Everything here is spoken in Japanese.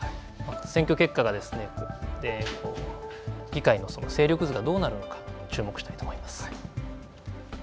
選挙結果が、議会の勢力図がどうなるのか注目したいと思います。